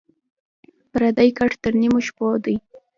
پردى کټ تر نيمو شپو دى.